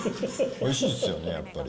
おいしいですよね、やっぱり。